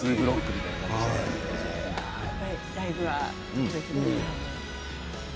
やっぱりライブは別ですか。